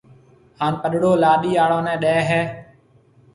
ھان پڏڙو لاڏِي آݪو نيَ ڏيَ ھيََََ